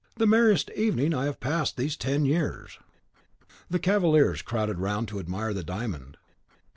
the merriest evening I have passed these ten years." The cavaliers crowded round to admire the diamond.